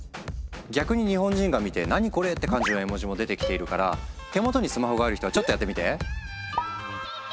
逆に日本人が見て何これ？って感じの絵文字も出てきているから手元にスマホがある人はちょっとやってみて。